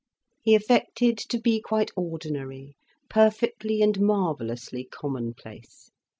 He affected to be quite ordinary, perfectly and marvellously commonplace.